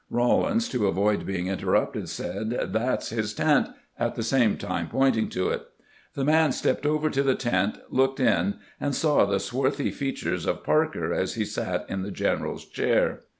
Rawlins, to avoid being interrupted, said, "That's his tent," at the same time pointing to it. The man stepped over to the tent, looked in, and saw the swarthy features of Parker as he sat in the general's chair.